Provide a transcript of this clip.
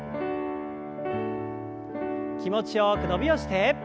気持ちよく伸びをして。